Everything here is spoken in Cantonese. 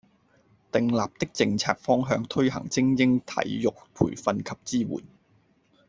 訂立的政策方向推行精英體育培訓及支援